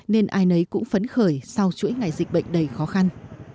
nên ai nấy cũng phấn khởi sau chuỗi ngày dịch bệnh đầy khó khăn